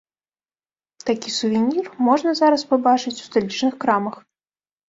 Такі сувенір можна зараз пабачыць у сталічных крамах.